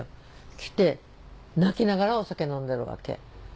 来て泣きながらお酒飲んでるわけ。